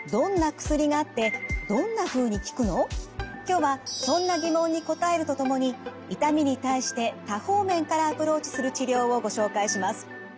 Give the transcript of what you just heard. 今日はそんな疑問に答えるとともに痛みに対して多方面からアプローチする治療をご紹介します。